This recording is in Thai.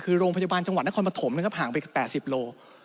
คือโรงพยาบาลจังหวัดนครปฐมนะครับห่างไป๘๐โล